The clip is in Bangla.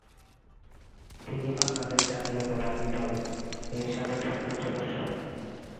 তিনি বাংলাদেশ জাতীয়তাবাদী দল এর সাবেক সংসদ সদস্য।